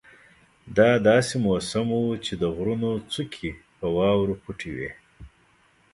دا داسې موسم وو چې د غرونو څوکې په واورو پټې وې.